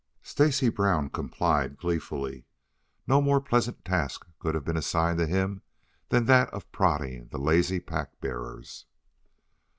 Stacy Brown complied gleefully. No more pleasant task could have been assigned to him than that of prodding the lazy pack bearers.